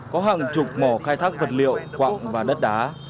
có hàng chục mỏ khai thác vật liệu quạng và đất đá